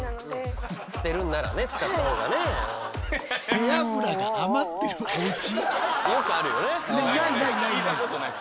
「背脂があまってるおうち」。